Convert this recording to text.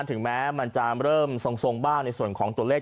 ถึงแม้มันจะเริ่มทรงบ้างในส่วนของตัวเลข